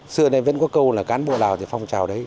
xưa nay vẫn có câu là cán bộ nào thì phong trào đấy